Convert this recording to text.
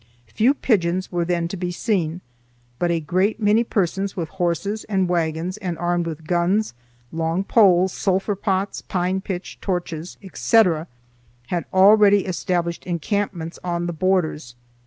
Few pigeons were then to be seen, but a great many persons with horses and wagons and armed with guns, long poles, sulphur pots, pine pitch torches, etc., had already established encampments on the borders.